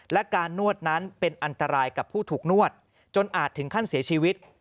และการนวดนั้นเป็นอันตรายกับผู้ถูกนวดจนอาจถึงขั้นเสียชีวิต